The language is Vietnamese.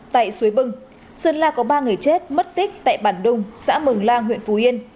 tại suối bưng sơn la có ba người chết mất tích tại bản đung xã mường lang huyện phú yên